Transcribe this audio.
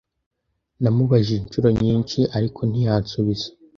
Namubajije inshuro nyinshi, ariko ntiyansubiza.